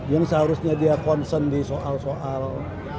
yang seharusnya dia concern di soal soal